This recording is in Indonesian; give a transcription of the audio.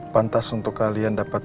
pantas untuk kalian dapat